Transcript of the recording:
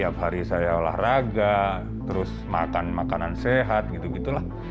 pada saatnya ya udah makanan makanan sehat gitu gitu lah